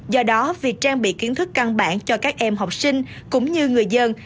do đó việc trang bị kiến thức căn bản cho các em học sinh cũng như người dân